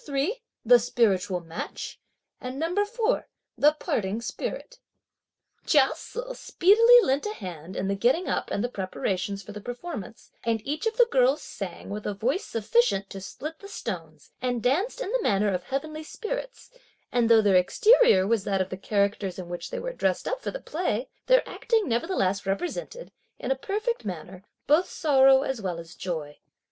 3 The spiritual match; and No. 4 the Parting spirit. Chia Se speedily lent a hand in the getting up, and the preparations for the performance, and each of the girls sang with a voice sufficient to split the stones and danced in the manner of heavenly spirits; and though their exterior was that of the characters in which they were dressed up for the play, their acting nevertheless represented, in a perfect manner, both sorrow as well as joy.